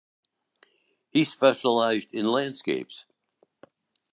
He specialised in landscapes.